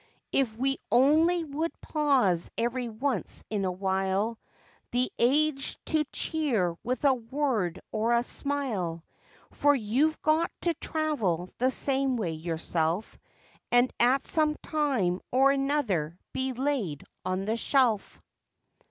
If we only would pause every once in a while, The aged to cheer with a word or a smile, For you've got to travel the same way yourself, And at some time or other be "laid on the shelf."